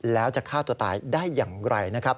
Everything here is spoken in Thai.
แล้วจะฆ่าตัวตายได้อย่างไรนะครับ